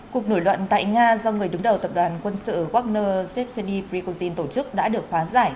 cục nổi loạn tại nga do người đứng đầu tập đoàn quân sự wagner svetseniv rikosin tổ chức đã được hóa giải